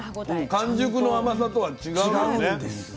完熟の甘さとは違うよね。